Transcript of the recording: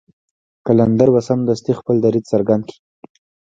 قلندر به سمدستي خپل دريځ څرګند کړ.